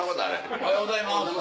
おはようございます。